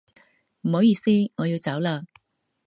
唔好意思，我要走啦